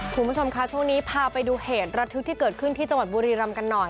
คุณผู้ชมค่ะช่วงนี้พาไปดูเหตุระทึกที่เกิดขึ้นที่จังหวัดบุรีรำกันหน่อย